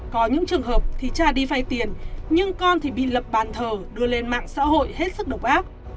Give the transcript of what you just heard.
có những trường hợp thì cha đi vay tiền nhưng con thì bị lập bàn thờ đưa lên mạng xã hội hết sức độc ác